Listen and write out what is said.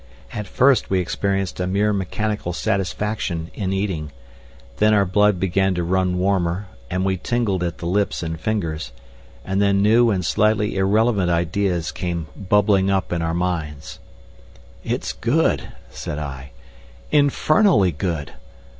At first we experienced a mere mechanical satisfaction in eating; then our blood began to run warmer, and we tingled at the lips and fingers, and then new and slightly irrelevant ideas came bubbling up in our minds. "It's good," said I. "Infernally good!